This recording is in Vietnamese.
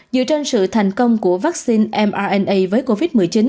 dựa trên sự thành công của vaccine mna với covid một mươi chín